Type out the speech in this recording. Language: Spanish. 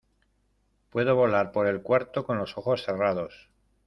Puedo volar por el cuarto con los ojos cerrados.